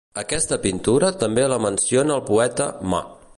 Aquesta pintura també la menciona el poeta Ma.